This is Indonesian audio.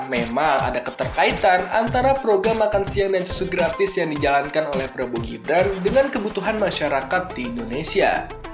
memang ada keterkaitan antara program makan siang dan susu gratis yang dijalankan oleh prabowo gibran dengan kebutuhan masyarakat di indonesia